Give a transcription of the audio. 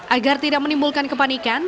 agar tidak menimbulkan kepanikan